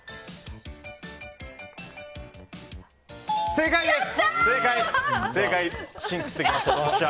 正解です！